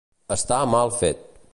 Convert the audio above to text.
Estar mal fet.